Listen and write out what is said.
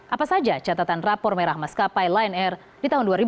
apa saja catatan rapor merah maskapai lion air di tahun dua ribu dua puluh